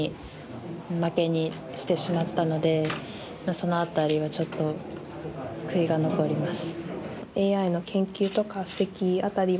その辺りはちょっと悔いが残ります。